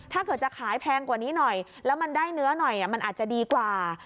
ถ้าเกิดจะขายแพงกว่านี้หน่อยแล้วมันได้เนื้อหน่อยมันอาจจะดีกว่า